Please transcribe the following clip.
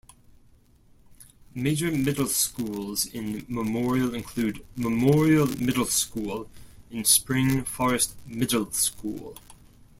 Major middle schools in Memorial include Memorial Middle School and Spring Forest Middle School.